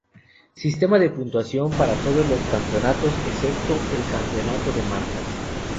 Sistema de puntuación para todos los campeonatos, excepto el campeonato de marcas.